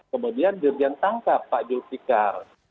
kemudian dirjen tangkap pak jul m tiger